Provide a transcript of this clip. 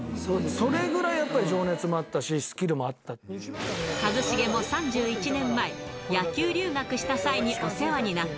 それぐらいやっぱり情熱もあった一茂も３１年前、野球留学した際にお世話になった。